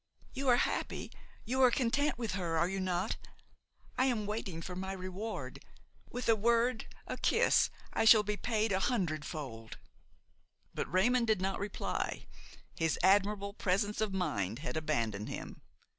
You are happy, you are content with her, are you not? I am waiting for my reward; with a word, a kiss I shall be paid a hundredfold." But Raymon did not reply; his admirable presence of mind had abandoned him.